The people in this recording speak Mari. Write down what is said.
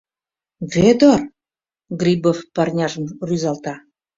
— Вӧдыр, — Грибов парняжым рӱзалта.